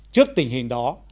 trước tình hình đó